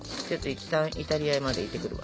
いったんイタリアまで行ってくるわ。